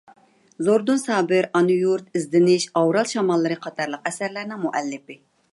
زوردۇن سابىر «ئانا يۇرت»، «ئىزدىنىش»، «ئاۋرال شاماللىرى» قاتارلىق ئەسەرلەرنىڭ مۇئەللىپى.